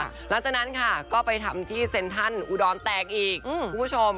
หลังจากนั้นค่ะก็ไปทำที่เซ็นทรัลอุดรแตกอีกคุณผู้ชม